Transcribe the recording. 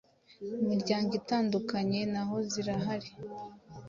mu miryango itandukanye naho zirahari